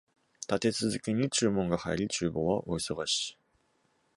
立て続けに注文が入り、厨房は大忙し